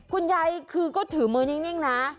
คุณยายคือก็ถือมือนิ่งนะ